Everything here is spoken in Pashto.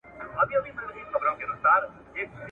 پلار یواځي د یوه چوپړي ارزښت درلودی